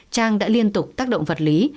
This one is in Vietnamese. trang đã liên tục tác động vật lý